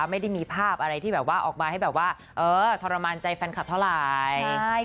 ไม่ได้มีภาพอะไรที่แบบว่าออกมาให้แบบว่าทรมานใจแฟนคลับเท่าไหร่